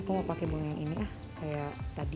aku mau pakai bunga yang ini ya kayak tadi